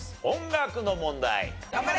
音楽の問題。